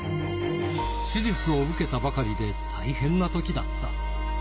手術を受けたばかりで大変なときだった。